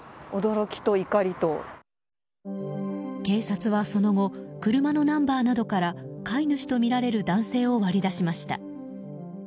警察はその後車のナンバーなどから飼い主とみられる男性を割り出しました。